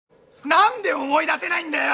なんで思い出せないんだよ！！